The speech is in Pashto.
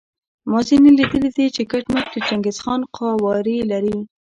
ما ځینې لیدلي دي چې کټ مټ د چنګیز خان قوارې لري.